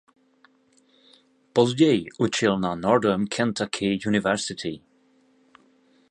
Později učil na Northern Kentucky University.